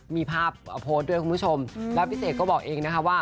มีภาพโพสต์ด้วยคุณผู้ชมแล้วพี่เสกก็บอกเองนะคะว่า